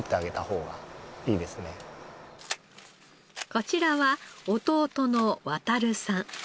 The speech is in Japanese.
こちらは弟の航さん。